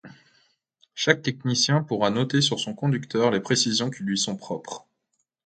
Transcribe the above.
Chaque technicien pourra noter sur son conducteur les précisions qui lui sont propres.